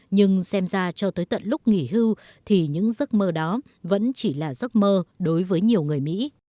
nhưng xem ra cho tới tận lúc nghỉ hưu thì những giấc mơ đó vẫn chỉ là giấc mơ đối với nhiều người mỹ